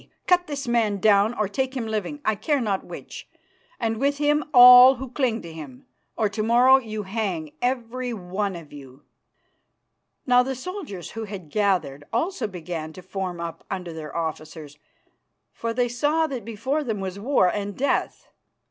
Cut this man down or take him living, I care not which, and with him all who cling to him, or to morrow you hang, every one of you." Now the soldiers who had gathered also began to form up under their officers, for they saw that before them was war and death.